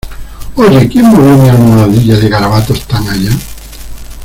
Oye, ¿ quién movió mi almohadilla de garabatos tan allá?